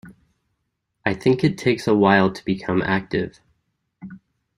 I think it takes a while to become active.